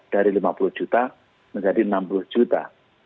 dari lima puluh juta menjadi enam puluh juta